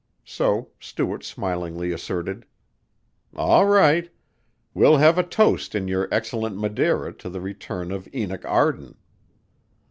So Stuart smilingly asserted: "All right. We'll have a toast in your excellent Madeira to the return of Enoch Arden."